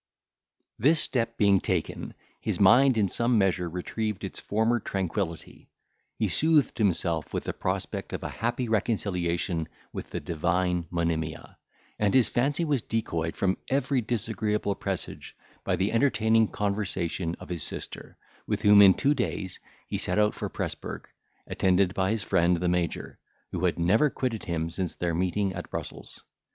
This step being taken, his mind in some measure retrieved its former tranquillity. He soothed himself with the prospect of a happy reconciliation with the divine Monimia, and his fancy was decoyed from every disagreeable presage by the entertaining conversation of his sister, with whom in two days he set out for Presburg, attended by his friend the Major, who had never quitted him since their meeting at Brussels.